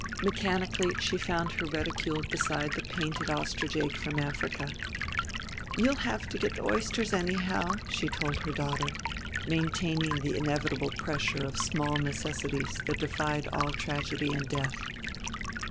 Mechanically she found her reticule beside the painted ostrich egg from Africa. "You'll have to get the oysters anyhow," she told her daughter, maintaining the inevitable pressure of small necessities that defied all tragedy and death.